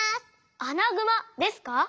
アナグマですか？